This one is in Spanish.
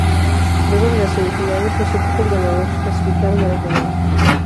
Luego de las "Semifinales" los equipos ganadores clasificaron a la Final.